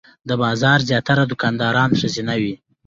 د بازار زیاتره دوکانداران ښځینه وې.